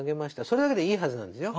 それだけでいいはずなんですよ。